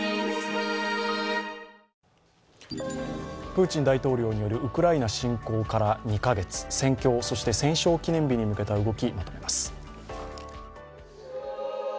プーチン大統領によるウクライナ侵攻から２カ月、戦況、そして戦勝記念日に向けた動き、見ていきます。